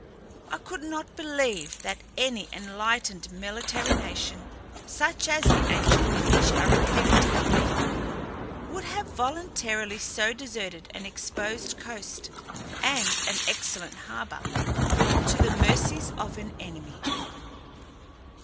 I could not believe that any enlightened military nation, such as the ancient English are reputed to have been, would have voluntarily so deserted an exposed coast and an excellent harbor to the mercies of an enemy.